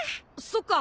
そっか。